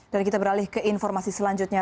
dan kita beralih ke informasi selanjutnya